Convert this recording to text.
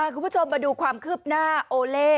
คุณผู้ชมมาดูความคืบหน้าโอเล่